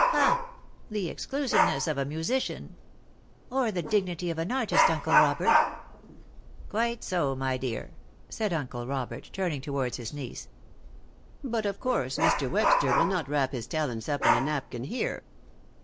"Ha! The exclusiveness of a musician." "Or the dignity of an artist, Uncle Robert." "Quite so, my dear," said Uncle Robert, turning towards his niece. "But, of course, Mr. Webster will not wrap his talents up in a napkin here."